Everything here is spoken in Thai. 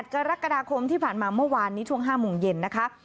กรกฎาคมที่ผ่านมาเมื่อวานนี้ช่วง๕โมงเย็นนะคะ